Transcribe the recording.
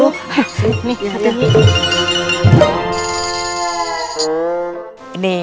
nih lihat ini